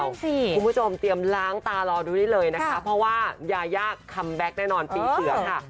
คุณผู้ชมเตรียมล้างตารอดูได้เลยนะคะเพราะว่ายายาคัมแบ็คแน่นอนปีเสือค่ะ